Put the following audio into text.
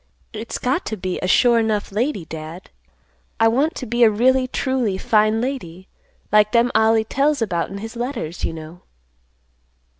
"It's got to be a sure 'nough lady, Dad. I want to be a really truly fine lady, like them Ollie tells about in his letters, you know."